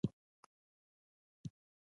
شتمن خلک له پټې صدقې سره مینه لري.